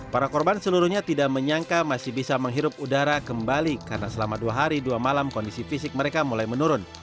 para korban seluruhnya tidak menyangka masih bisa menghirup udara kembali karena selama dua hari dua malam kondisi fisik mereka mulai menurun